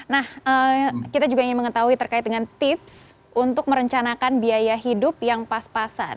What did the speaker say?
nah kita juga ingin mengetahui terkait dengan tips untuk merencanakan biaya hidup yang pas pasan